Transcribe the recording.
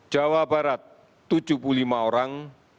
jawa barat tujuh puluh lima orang